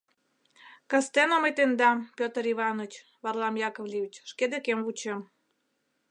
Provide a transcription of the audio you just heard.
Кастене мый тендам, Пӧтыр Иваныч, Варлам Яковлевич, шке декем вучем.